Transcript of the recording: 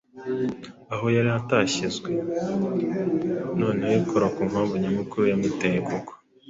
aho yari atashyizwe: Noneho ikora ku mpamvu nyamukuru yamuteye kugwa,